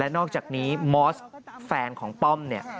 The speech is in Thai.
นอกจากนี้มอสแฟนของป้อมเนี่ย